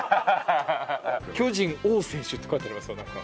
「巨人王選手」って書いてありますよなんか。